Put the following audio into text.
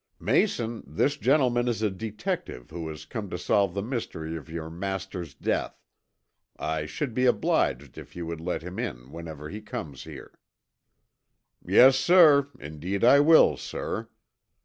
"Mason, this gentleman is a detective who has come to solve the mystery of your master's death. I should be obliged if you would let him in whenever he comes here." "Yes, sir, indeed I will, sir.